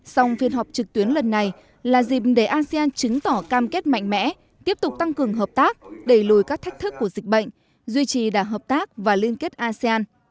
song phiên họp trực tuyến lần này là dịp để asean chứng tỏ cam kết mạnh mẽ tiếp tục tăng cường hợp tác đẩy lùi các thách thức của dịch bệnh duy trì đảng hợp tác và liên kết asean